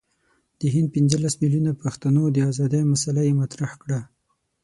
د هند پنځه لس میلیونه پښتنو د آزادی مسله یې مطرح کړه.